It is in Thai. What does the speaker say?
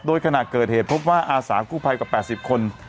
โดยขณะเกิดเหตุพบว่าอาสากู้ภัยกว่า๘๐คน